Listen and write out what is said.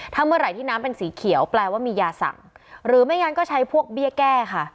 ถ้าเมื่อไหร่ที่น้ำเป็นสีเขียวแปลว่ามียาสั่งหรือไม่งั้นก็ใช้พวกเบี้ยแก้ค่ะ